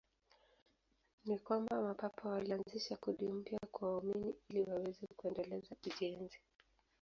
Ni kwamba Mapapa walianzisha kodi mpya kwa waumini ili waweze kuendeleza ujenzi.